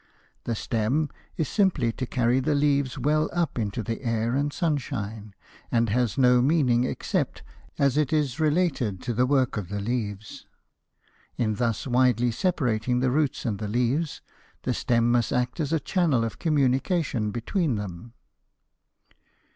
The stem is simply to carry the leaves well up into the air and sunshine, and has no meaning except as it is related to the work of the leaves. In thus widely separating the roots and the leaves, the stem must act as a channel of communication between them.